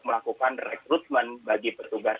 melakukan rekrutmen bagi petugas